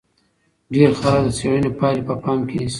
ډېر خلک د څېړنې پایلې په پام کې نیسي.